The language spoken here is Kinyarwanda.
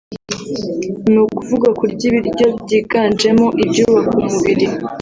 ni kuvuga kurya ibiryo byiganjemo ibyubaka umubiri